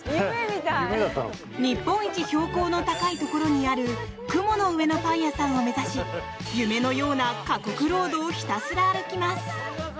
日本一標高の高いところにある雲の上のパン屋さんを目指し夢のような過酷ロードをひたすら歩きます。